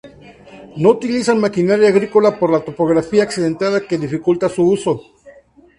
No utilizan maquinaría agrícola, por la topografía accidentada que dificulta su uso.